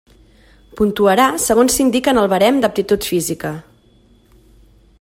Puntuarà segons s'indica en el barem d'aptitud física.